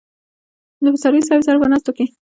له پسرلي صاحب سره په ناستو کې.